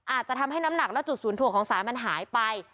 อาจจะทำให้น้ำหนักและจุดศูนย์ถ่วงของสารมันหายไป